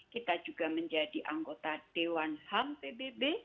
kita juga menjadi anggota dewan ham pbb